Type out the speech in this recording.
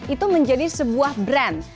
itu menjadi sebuah brand